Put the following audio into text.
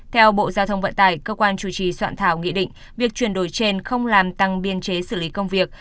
theo bộ giao thông vận tải cơ quan chủ trì soạn thảo nghị định việc chuyển đổi trên không làm tăng biên chế xử lý công việc